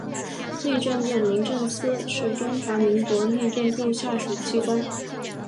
内政部民政司是中华民国内政部下属机关。